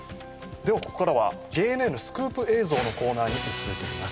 ここからはＪＮＮスクープ映像のコーナーに移ります。